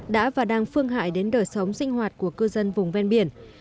đã và đang phương hại đến đời sống sinh hoạt của cư dân vùng ven biển